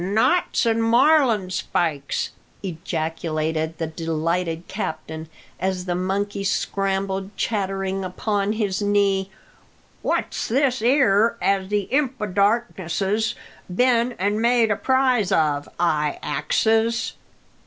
"Knots an' marlinspikes!" ejaculated the delighted captain, as the monkey scrambled chattering upon his knee. "What's this 'ere as the imp o' darkness's been an' made a prize of? I axes."